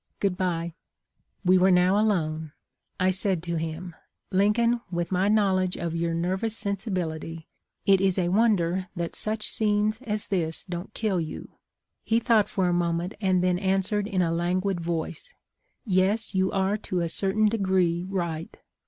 Good bye.' "We were now alone. I said to him, ' Lincoln, with my knowledge of your nervous sensibility, it is a wonder that such scenes as this don't kill you.' He thought for a moment and then answered in a languid voice, 'Yes, you are to a certain degree right.